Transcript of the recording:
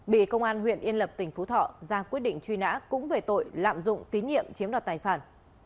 bị công an huyện yên lập tỉnh phú thọ ra quyết định truy nã cũng về tội lạm dụng tín nhiệm chiếm đoạt tài sản